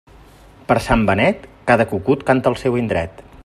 Per Sant Benet, cada cucut canta al seu indret.